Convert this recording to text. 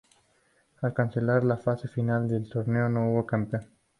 Al cancelarse la Fase Final del torneo, no hubo campeón.